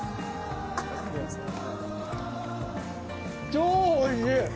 超おいしい！